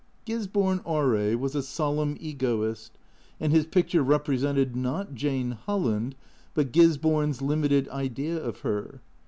Gisborne, R.A., was a solemn egoist, and his picture repre sented, not Jane Holland, but Gisborne's limited idea of her.